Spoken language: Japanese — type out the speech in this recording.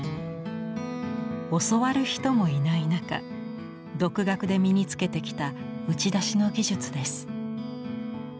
教わる人もいない中独学で身につけてきた打ち出しの技術です。